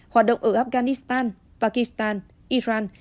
hoạt động ở afghanistan pakistan iran